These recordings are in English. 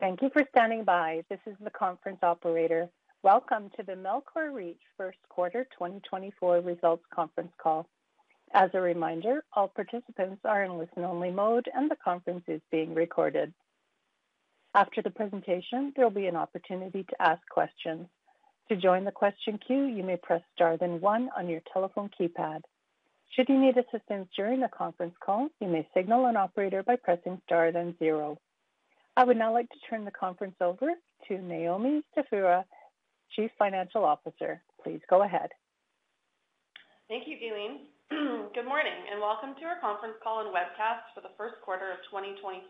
Thank you for standing by. This is the conference operator. Welcome to the Melcor REIT first quarter 2024 results conference call. As a reminder, all participants are in listen-only mode, and the conference is being recorded. After the presentation, there will be an opportunity to ask questions. To join the question queue, you may press star then one on your telephone keypad. Should you need assistance during the conference call, you may signal an operator by pressing star then 0. I would now like to turn the conference over to Naomi Stefura, Chief Financial Officer. Please go ahead. Thank you, Eames. Good morning, and welcome to our conference call and webcast for the first quarter of 2024.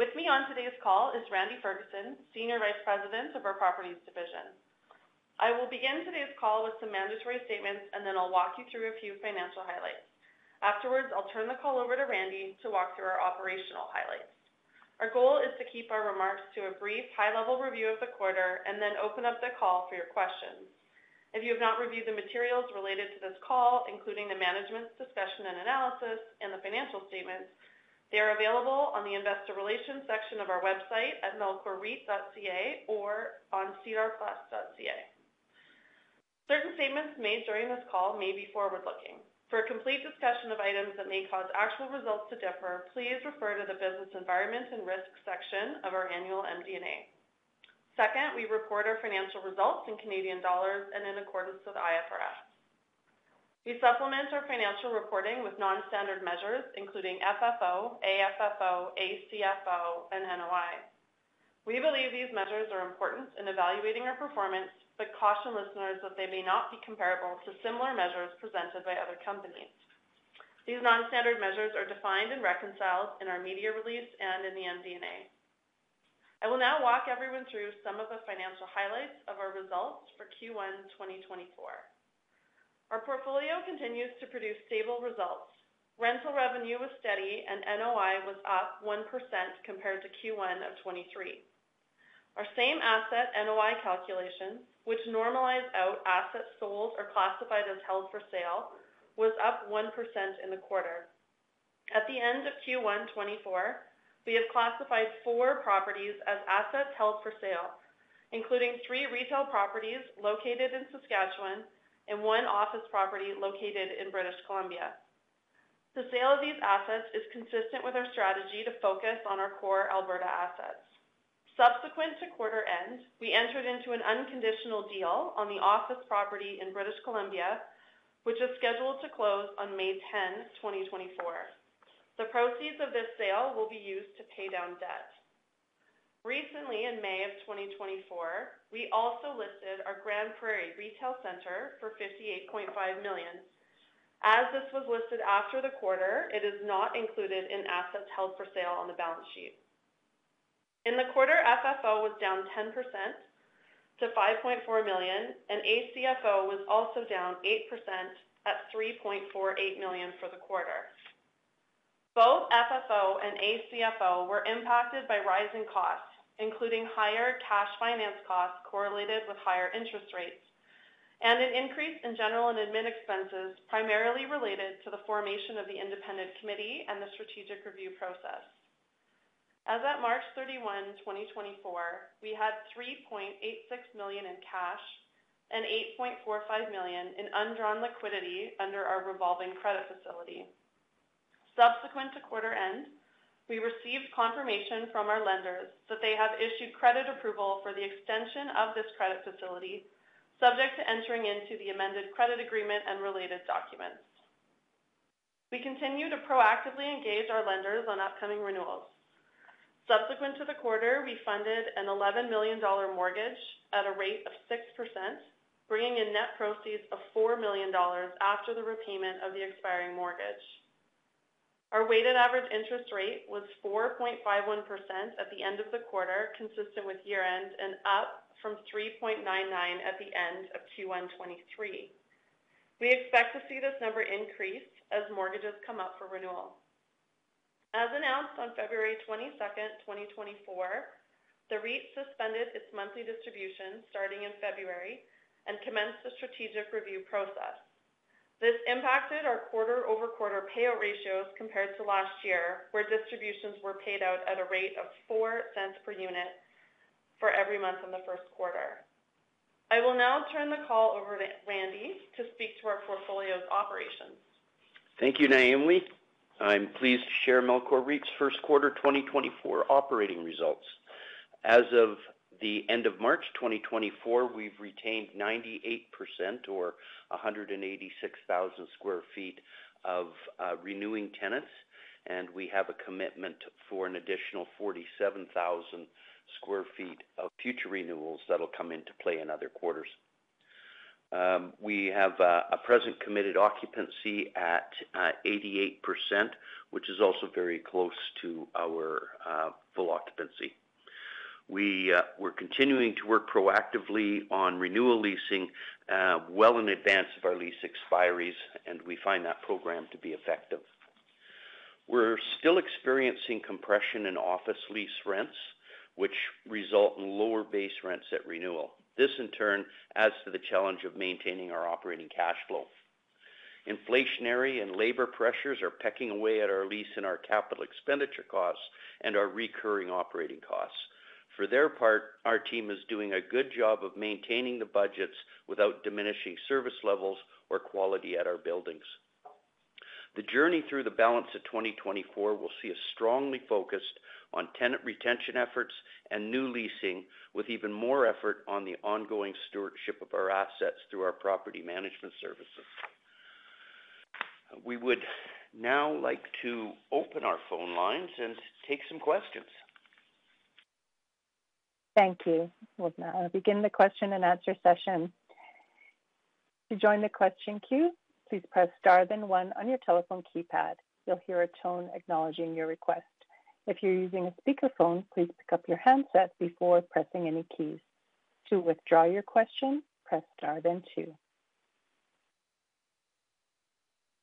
With me on today's call is Randy Ferguson, Senior Vice President of our Properties Division. I will begin today's call with some mandatory statements, and then I'll walk you through a few financial highlights. Afterwards, I'll turn the call over to Randy to walk through our operational highlights. Our goal is to keep our remarks to a brief high-level review of the quarter and then open up the call for your questions. If you have not reviewed the materials related to this call, including the Management's Discussion and Analysis and the financial statements, they are available on the Investor Relations section of our website at melcorreit.ca or on SEDAR+. Certain statements made during this call may be forward-looking. For a complete discussion of items that may cause actual results to differ, please refer to the Business Environment and Risk section of our annual MD&A. Second, we report our financial results in Canadian dollars and in accordance with IFRS. We supplement our financial reporting with non-standard measures, including FFO, AFFO, ACFO, and NOI. We believe these measures are important in evaluating our performance but caution listeners that they may not be comparable to similar measures presented by other companies. These non-standard measures are defined and reconciled in our media release and in the MD&A. I will now walk everyone through some of the financial highlights of our results for Q1 2024. Our portfolio continues to produce stable results. Rental revenue was steady, and NOI was up 1% compared to Q1 of 2023. Our same asset NOI calculations, which normalize out assets sold or classified as held for sale, was up 1% in the quarter. At the end of Q1 2024, we have classified four properties as assets held for sale, including three retail properties located in Saskatchewan and one office property located in British Columbia. The sale of these assets is consistent with our strategy to focus on our core Alberta assets. Subsequent to quarter end, we entered into an unconditional deal on the office property in British Columbia, which is scheduled to close on May 10, 2024. The proceeds of this sale will be used to pay down debt. Recently, in May of 2024, we also listed our Grande Prairie Retail Centre for 58.5 million. As this was listed after the quarter, it is not included in assets held for sale on the balance sheet. In the quarter, FFO was down 10% to 5.4 million, and ACFO was also down 8% at 3.48 million for the quarter. Both FFO and ACFO were impacted by rising costs, including higher cash finance costs correlated with higher interest rates and an increase in general and admin expenses primarily related to the formation of the independent committee and the strategic review process. As at March 31, 2024, we had 3.86 million in cash and 8.45 million in undrawn liquidity under our revolving credit facility. Subsequent to quarter end, we received confirmation from our lenders that they have issued credit approval for the extension of this credit facility, subject to entering into the amended credit agreement and related documents. We continue to proactively engage our lenders on upcoming renewals. Subsequent to the quarter, we funded a 11 million dollar mortgage at a rate of 6%, bringing in net proceeds of 4 million dollars after the repayment of the expiring mortgage. Our weighted average interest rate was 4.51% at the end of the quarter, consistent with year-end and up from 3.99% at the end of Q1 2023. We expect to see this number increase as mortgages come up for renewal. As announced on February 22, 2024, the REIT suspended its monthly distribution starting in February and commenced the strategic review process. This impacted our quarter-over-quarter payout ratios compared to last year, where distributions were paid out at a rate of 0.04 per unit for every month in the first quarter. I will now turn the call over to Randy to speak to our portfolio's operations. Thank you, Naomi. I'm pleased to share Melcor REIT's first quarter 2024 operating results. As of the end of March 2024, we've retained 98% or 186,000 sq ft of renewing tenants, and we have a commitment for an additional 47,000 sq ft of future renewals that'll come into play in other quarters. We have a present committed occupancy at 88%, which is also very close to our full occupancy. We're continuing to work proactively on renewal leasing well in advance of our lease expiries, and we find that program to be effective. We're still experiencing compression in office lease rents, which result in lower base rents at renewal. This, in turn, adds to the challenge of maintaining our operating cash flow. Inflationary and labor pressures are pecking away at our lease and our capital expenditure costs and our recurring operating costs. For their part, our team is doing a good job of maintaining the budgets without diminishing service levels or quality at our buildings. The journey through the balance of 2024 will see us strongly focused on tenant retention efforts and new leasing, with even more effort on the ongoing stewardship of our assets through our property management services. We would now like to open our phone lines and take some questions. Thank you. We'll begin the question and answer session. To join the question queue, please press star, then one on your telephone keypad. You'll hear a tone acknowledging your request. If you're using a speakerphone, please pick up your handset before pressing any keys. To withdraw your question, press star, then two.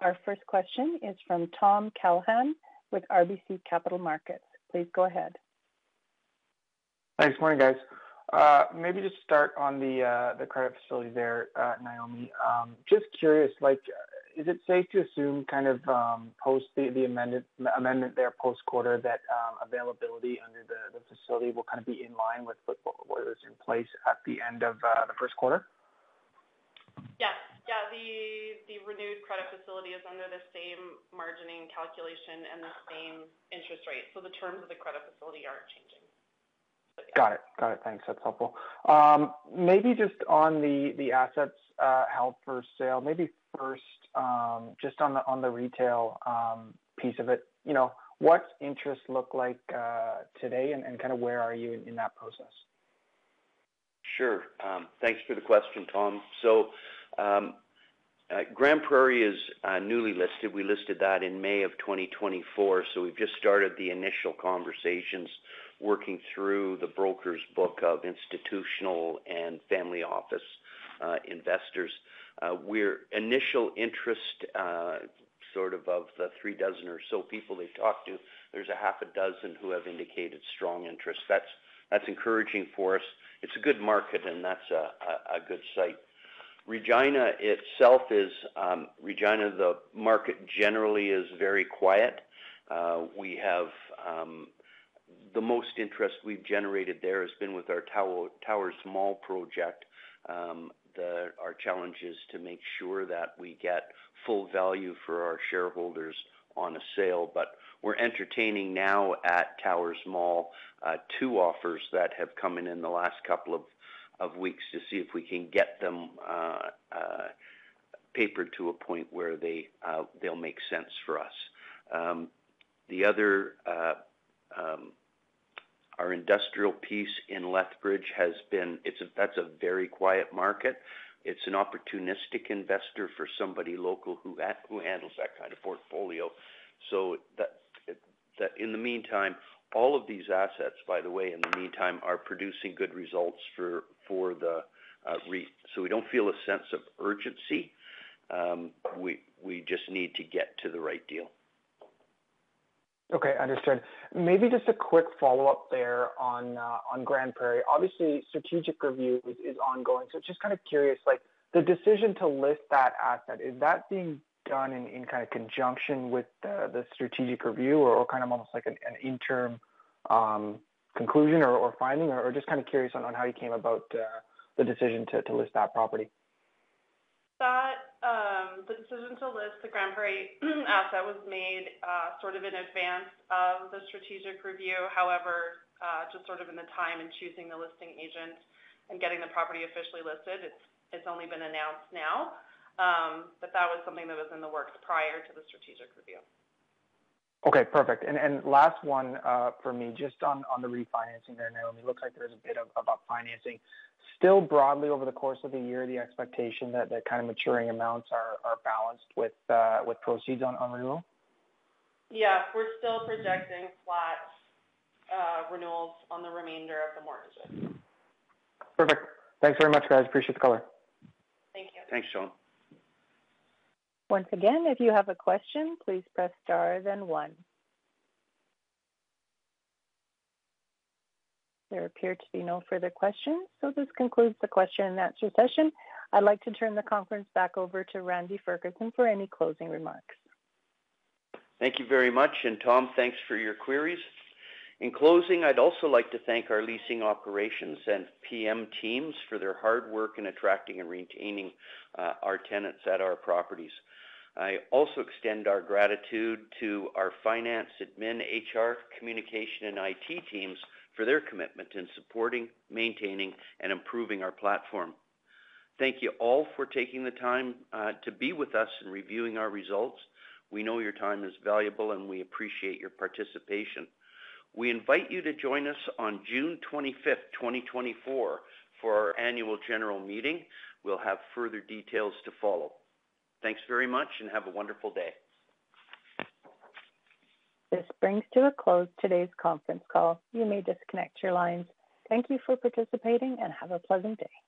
Our first question is from Tom Callahan with RBC Capital Markets. Please go ahead. Thanks. Morning, guys. Maybe just start on the credit facility there, Naomi. Just curious, is it safe to assume kind of post the amendment there, post-quarter, that availability under the facility will kind of be in line with what was in place at the end of the first quarter? Yes. Yeah. The renewed credit facility is under the same margining calculation and the same interest rate, so the terms of the credit facility aren't changing. Got it. Got it. Thanks. That's helpful. Maybe just on the assets held for sale, maybe first just on the retail piece of it, what's interest look like today, and kind of where are you in that process? Sure. Thanks for the question, Tom. So Grande Prairie is newly listed. We listed that in May of 2024, so we've just started the initial conversations working through the broker's book of institutional and family office investors. Initial interest sort of of the 36 or so people they've talked to, there's a half a dozen who have indicated strong interest. That's encouraging for us. It's a good market, and that's a good site. Regina itself is Regina, the market generally is very quiet. The most interest we've generated there has been with our Towers Mall project, our challenges to make sure that we get full value for our shareholders on a sale. But we're entertaining now at Towers Mall two offers that have come in in the last couple of weeks to see if we can get them papered to a point where they'll make sense for us. Our industrial piece in Lethbridge has been. That's a very quiet market. It's an opportunistic investor for somebody local who handles that kind of portfolio. So in the meantime, all of these assets, by the way, in the meantime, are producing good results for the REIT, so we don't feel a sense of urgency. We just need to get to the right deal. Okay. Understood. Maybe just a quick follow-up there on Grande Prairie. Obviously, strategic review is ongoing, so just kind of curious, the decision to list that asset, is that being done in kind of conjunction with the strategic review or kind of almost like an interim conclusion or finding? Or just kind of curious on how you came about the decision to list that property. The decision to list the Grande Prairie asset was made sort of in advance of the strategic review. However, just sort of in the time and choosing the listing agent and getting the property officially listed, it's only been announced now. But that was something that was in the works prior to the strategic review. Okay. Perfect. And last one for me, just on the refinancing there, Naomi, it looks like there's a bit of upfinancing. Still broadly over the course of the year, the expectation that kind of maturing amounts are balanced with proceeds on renewal? Yeah. We're still projecting flat renewals on the remainder of the mortgages. Perfect. Thanks very much, guys. Appreciate the caller. Thank you. Thanks, Sean. Once again, if you have a question, please press star, then one. There appear to be no further questions, so this concludes the question and answer session. I'd like to turn the conference back over to Randy Ferguson for any closing remarks. Thank you very much. Tom, thanks for your queries. In closing, I'd also like to thank our leasing operations and PM teams for their hard work in attracting and retaining our tenants at our properties. I also extend our gratitude to our finance, admin, HR, communication, and IT teams for their commitment in supporting, maintaining, and improving our platform. Thank you all for taking the time to be with us and reviewing our results. We know your time is valuable, and we appreciate your participation. We invite you to join us on June 25th, 2024, for our annual general meeting. We'll have further details to follow. Thanks very much, and have a wonderful day. This brings to a close today's conference call. You may disconnect your lines. Thank you for participating, and have a pleasant day.